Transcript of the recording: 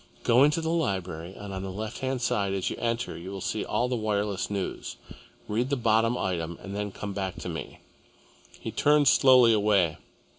Go into the library, and on the left hand side as you enter you will see all the wireless news. Read the bottom item and then come back to me." He turned slowly away.